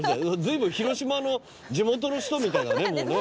随分広島の地元の人みたいだね